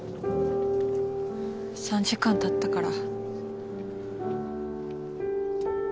３時間たったから。